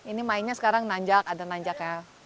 ini mainnya sekarang nanjak ada nanjaknya